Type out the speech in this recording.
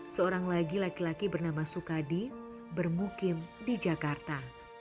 seorang lagi laki laki bernama sukadi bermukim di jakarta